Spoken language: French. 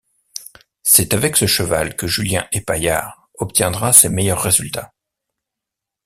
C'est avec ce cheval que Julien Epaillard obtiendra ses meilleurs résultats.